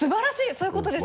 そういうことです。